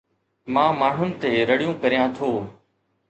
مان ماڻهن تي رڙيون ڪريان ٿو